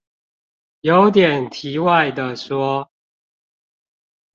有點題外的說